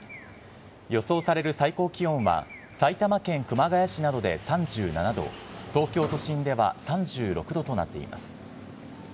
予想される最高気温は、埼玉県熊谷市などで３７度、東京都心では３６度となっています。